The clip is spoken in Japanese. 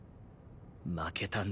負けたんだ。